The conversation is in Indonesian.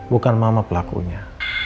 bukan mama pelakunya